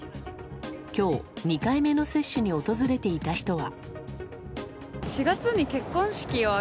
今日、２回目の接種に訪れていた人は。